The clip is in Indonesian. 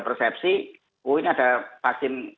persepsi oh ini ada vaksin